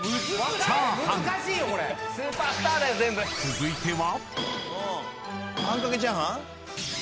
［続いては］